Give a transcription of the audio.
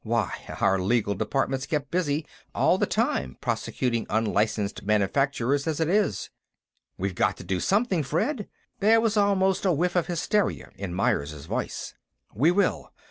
Why, our legal department's kept busy all the time prosecuting unlicensed manufacturers as it is." "We've got to do something, Fred!" There was almost a whiff of hysteria in Myers' voice. "We will.